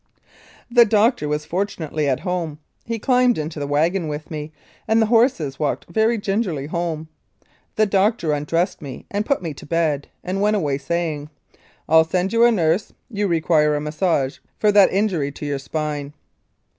The doctor was fortunately at home, he climbed into the wagon with me, and the horses walked very gingerly home. The doctor undressed me, and put me to bed, and went away saying, "I'll send you a nurse; you require massage for that injury to your spine."